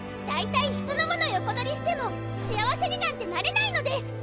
大体人のもの横取りしても幸せになんてなれないのです！